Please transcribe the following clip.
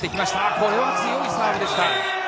これも強いサーブでした。